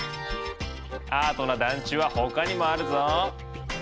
アートな団地はほかにもあるぞ！